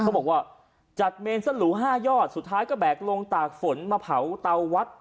เขาบอกว่าจัดเมนสลู๕ยอดสุดท้ายก็แบกลงตากฝนมาเผาเตาวัด